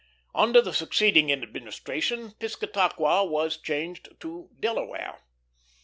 Under the succeeding administration Piscataqua was changed to Delaware.